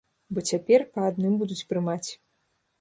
Бо цяпер па адным будуць прымаць.